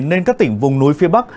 nên các tỉnh vùng núi phía bắc